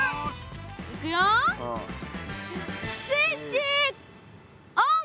いくよスイッチオン！